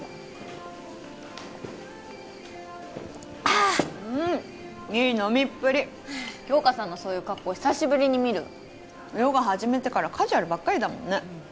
ああっうんいい飲みっぷり杏花さんのそういう格好久しぶりに見るヨガ始めてからカジュアルばっかりだもんね